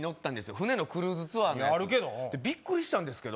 船のクルーズツアーのヤツビックリしたんですけど